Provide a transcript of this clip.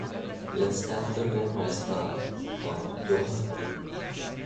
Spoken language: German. Letzter Bürgermeister war Johann Pock.